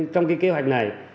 trong cái kế hoạch này